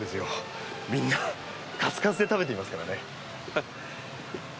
みんなカツカツで食べていますからね。